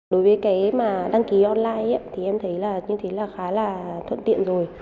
đối với cái mà đăng ký online thì em thấy là như thế là khá là thuận tiện rồi